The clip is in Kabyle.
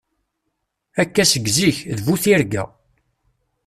Akka seg zik, d bu tirga.